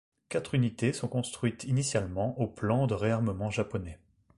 Quatre unités sont construites initialement au plan de réarmement japonais.